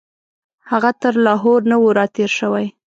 هغه تر لاهور نه وو راتېر شوی.